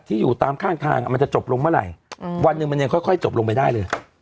อยู่ตามข้างทางมันจะจบลงเมื่อไหร่วันหนึ่งมันยังค่อยจบลงไปได้เลย